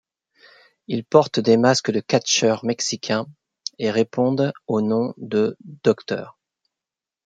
Ils portent des masques de catcheurs mexicains et répondent aux noms de Dr.